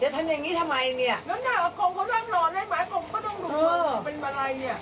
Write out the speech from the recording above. จะทำอย่างงี้ทำไมเนี้ยนั่นหน้ากลมก็เริ่มรอได้ไหมกลมก็ต้องดูเป็นเมื่อไหร่เนี้ย